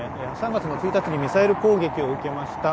３月の１日にミサイル攻撃を受けました